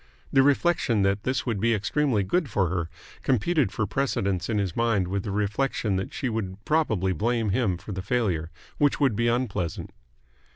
The reflection that this would be extremely good for her competed for precedence in his mind with the reflection that she would probably blame him for the failure, which would be unpleasant.